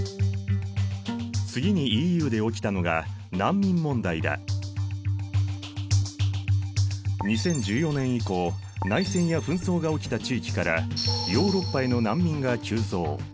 次にＥＵで起きたのが２０１４年以降内戦や紛争が起きた地域からヨーロッパへの難民が急増。